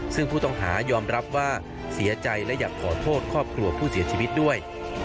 ซึ่งผู้ต้องหายอมรับว่าเสียใจและอยากขอโทษครอบครัวผู้เสียชีวิตด้วย